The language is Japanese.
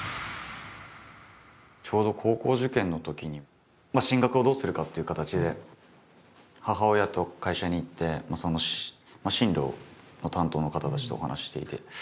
ちょうど高校受験のときに進学をどうするかっていう形で母親と会社に行って進路の担当の方たちとお話ししていて。